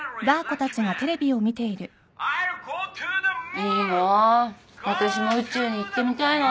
いいな私も宇宙に行ってみたいなぁ。